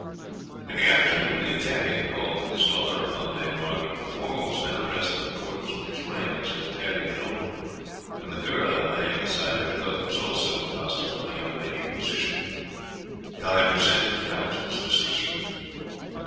In the afternoon the Italian called with his daughter upon Dame Margaret. The former was now dressed in accordance with his rank as an Italian noble, and the girl, on laying aside her cloak, was also in the costume of a young lady of position. Guy presented the count to his mistress.